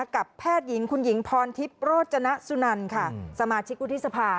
แพทย์หญิงคุณหญิงพรทิพย์โรจนสุนันค่ะสมาชิกวุฒิสภา